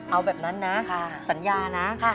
เอาแบบนั้นนะสัญญานะ